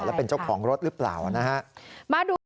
แล้วเป็นเจ้าของรถหรือเปล่านะฮะ